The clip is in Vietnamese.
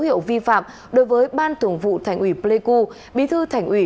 hiệu vi phạm đối với ban thường vụ thành ủy pleiku bí thư thành ủy